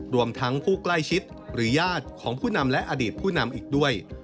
รวมทั้งผู้ใกล้ชิดหรือญาติของผู้นำและอดีตผู้นำอีกด้วย